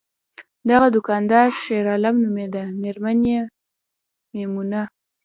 دغه دوکاندار شیرعالم نومیده، میرمن یې میمونه!